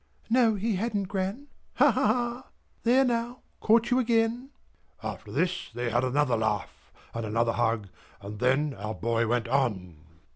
"No, he hadn't, Gran. Ha, ha! There now! Caught you again!" After this, they had another laugh and another hug, and then our boy went on.